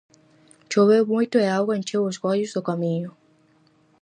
Choveu moito e a auga encheu os goios do camiño.